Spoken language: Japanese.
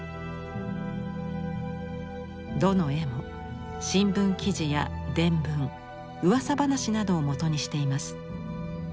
どの絵も新聞記事や伝聞うわさ話などをもとにしています。